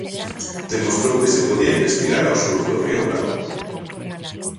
Demostrou que se podía investigar ao sur do Río Bravo.